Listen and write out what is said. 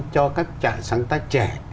cho các trại sáng tác trẻ